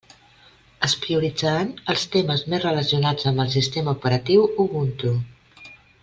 Es prioritzaran els temes més relacionats amb el sistema operatiu Ubuntu.